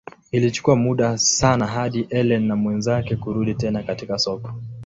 Ilichukua muda sana hadi Ellen na mwenzake kurudi tena katika soko.